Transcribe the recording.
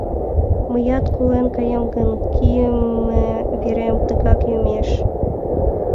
Мыят колен каем гын, кийыме верем тыгак йомеш.